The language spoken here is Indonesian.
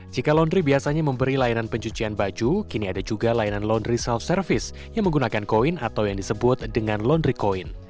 jika laundry biasanya memberi layanan pencucian baju kini ada juga layanan laundry self service yang menggunakan koin atau yang disebut dengan laundry coin